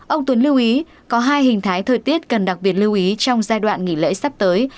ông tuấn lưu ý có hai hình thái thời tiết cần đặc biệt lưu ý trong giai đoạn nghỉ lễ sắp tới